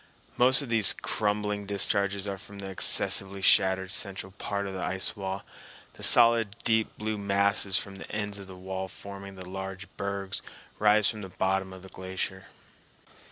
Most of these crumbling discharges are from the excessively shattered central part of the ice wall; the solid deep blue masses from the ends of the wall forming the large bergs rise from the bottom of the glacier.